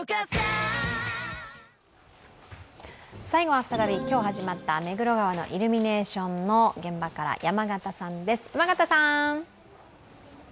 最後は再び今日始まった目黒川のイルミネーションの現場から山形さんです。